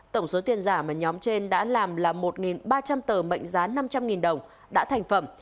tổng số tiền giả mà nhóm trên đã làm là một ba trăm linh tờ mệnh giá năm trăm linh đồng đã thành phẩm